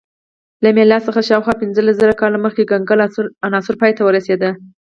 له میلاد څخه شاوخوا پنځلس زره کاله مخکې کنګل عصر پای ته ورسېد